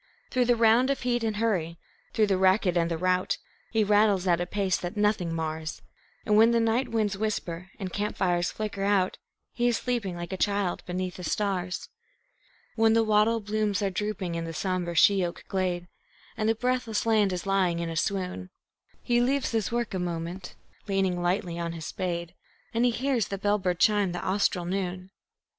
Through the round of heat and hurry, through the racket and the rout, He rattles at a pace that nothing mars; And when the night winds whisper and camp fires flicker out, He is sleeping like a child beneath the stars. When the wattle blooms are drooping in the sombre she oak glade, And the breathless land is lying in a swoon, He leaves his work a moment, leaning lightly on his spade, And he hears the bell bird chime the Austral noon.